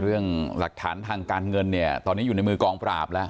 เรื่องหลักฐานทางการเงินเนี่ยตอนนี้อยู่ในมือกองปราบแล้ว